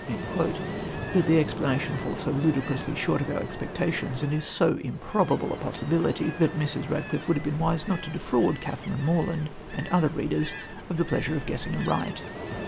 But the explanation falls so ludicrously short of our expectations and is so improbable a possibility, that Mrs. Radcliffe would have been wise not to defraud Catherine Morland and other readers of the pleasure of guessing aright.